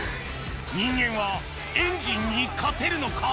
・人間はエンジンに勝てるのか？